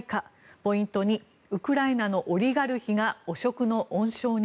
ポイント２、ウクライナのオリガルヒが汚職の温床に？